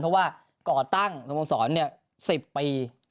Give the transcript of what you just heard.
เพราะว่าก่อตั้งสโมสร๑๐ปี